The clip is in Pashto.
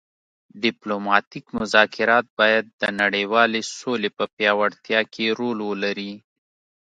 ډیپلوماتیک مذاکرات باید د نړیوالې سولې په پیاوړتیا کې رول ولري